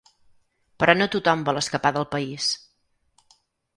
Però no tothom vol escapar del país.